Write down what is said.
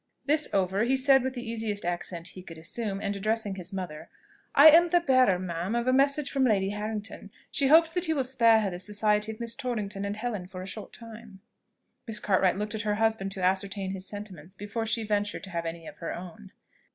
This over, he said with the easiest accent he could assume, and addressing his mother, "I am the bearer, ma'am, of a message from Lady Harrington. She hopes that you will spare her the society of Miss Torrington and Helen for a short time." Mrs. Cartwright looked at her husband to ascertain his sentiments, before she ventured to have any of her own.